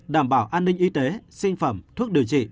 đảm bảo an ninh y tế sinh phẩm thuốc điều trị